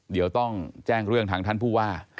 เดี๋ยวต้องแจ้งเรื่องทางท่านผู้ว่า